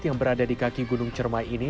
yang berada di kaki gunung cermai ini